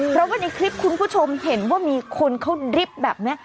เพราะว่าในคลิปคุณผู้ชมเห็นว่ามีคนเขาดริบแบบนี้